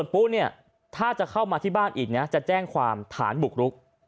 ปุ๊เนี่ยถ้าจะเข้ามาที่บ้านอีกนะจะแจ้งความฐานบุกรุก